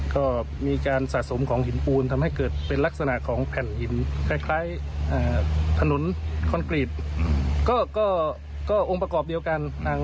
ก็มีการสะสมของหินปูนทำให้เกิดเป็นลักษณะของแผ่นหินคล้ายถนนคอนกรีตก็ก็องค์ประกอบเดียวกัน